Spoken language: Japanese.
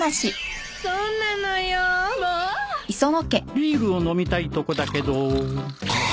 ビールを飲みたいとこだけど